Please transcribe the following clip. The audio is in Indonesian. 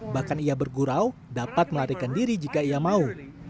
bahkan ia bergurau dapat melarikan diri jika ia mau